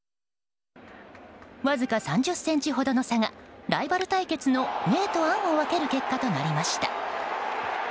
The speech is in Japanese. わずか３０ｃｍほどの差がライバル対決の明と暗を分ける結果となりました。